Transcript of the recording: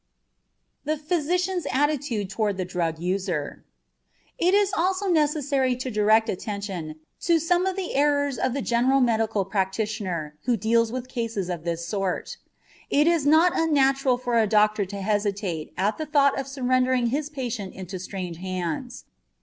THE PHYSICIAN'S ATTITUDE TOWARD THE DRUG USER It is also necessary to direct attention to some of the errors of the general medical practitioner who deals with cases of this sort. It is not unnatural for a doctor to hesitate at the thought of surrendering his patient into strange hands.